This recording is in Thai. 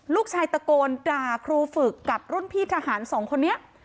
ลูกชายตะโกนด่าครูฝึกกับรุ่นพี่ทหารสองคนนี้